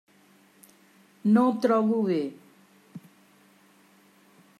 No em trobo bé.